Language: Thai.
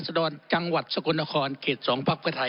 ครับครับครับครับครับครับครับครับครับครับครับครับครับครับ